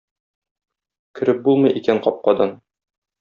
Кереп булмый икән капкадан.